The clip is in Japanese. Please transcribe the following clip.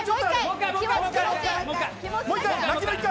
もう１回！